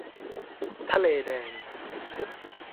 ทะเลแดง